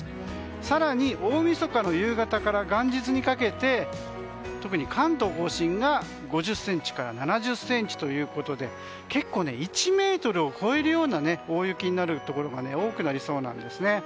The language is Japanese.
更に、大みそかの夕方から元日にかけて特に関東・甲信が５０ｃｍから７０ｃｍということで結構１ｍを超えるような大雪になるところも多くなりそうなんですね。